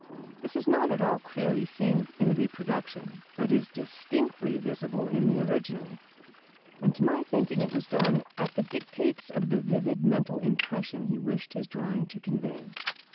This is not at all clearly seen in the reproduction, but #is distinctly visible in the original#. And to my thinking it was done at the dictates of the vivid mental impression he wished his drawing to convey.